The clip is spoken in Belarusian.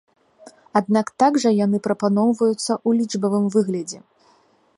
Аднак так жа яны прапаноўваюцца ў лічбавым выглядзе.